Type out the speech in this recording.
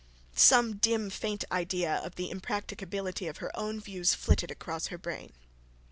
Some dim faint idea of the impracticability of her own views flitted across her brain.